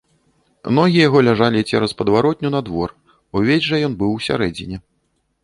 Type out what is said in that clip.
Ногі яго ляжалі цераз падваротню на двор, увесь жа ён быў у сярэдзіне.